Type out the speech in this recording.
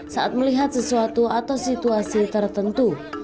saat melihat sesuatu atau situasi tertentu